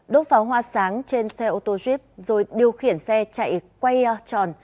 đốt pháo hoa sáng trên xe ô tô jeep rồi điều khiển xe chạy quay tròn